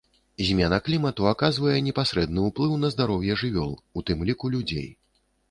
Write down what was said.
Змена клімату аказвае непасрэдны ўплыў на здароўе жывёл, у тым ліку людзей.